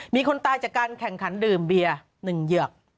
มีคนตายจากการแข่งขันดื่มเบียร์๑เหยือก